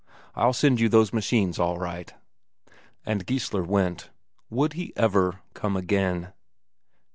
I'll send you those machines all right." And Geissler went. Would he ever come again?